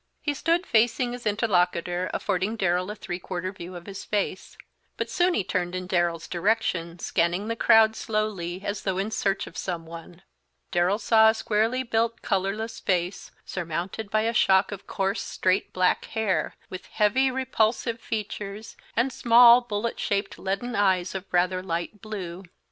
He stood facing his interlocutor, affording Darrell a three quarter view of his face, but soon he turned in Darrell's direction, scanning the crowd slowly, as though in search of some one. Darrell saw a squarely built, colorless face, surmounted by a shock of coarse, straight black hair, with heavy, repulsive features, and small, bullet shaped, leaden eyes of rather light blue.